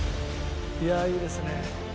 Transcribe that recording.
いやあいいですね。